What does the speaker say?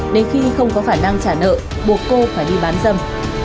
đến khi không có khả năng trả nợ buộc cô phải đi bán dâm